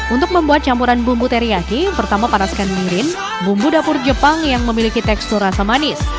untuk membuat campuran bumbu teriyaki pertama panaskan mirin bumbu dapur jepang yang memiliki tekstur rasa manis